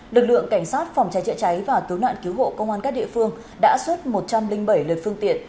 lực lượng cảnh sát phòng cháy chữa cháy và cứu nạn cứu hộ công an các địa phương đã xuất một trăm linh bảy lượt phương tiện